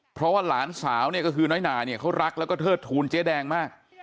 เพราะว่าหลานสาวเนี่ยก็คือน้อยหนาเนี่ยเขารักแล้วก็เทิดทูลเจ๊แดงมาก